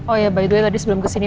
oh ya by the way tadi sebelum kesini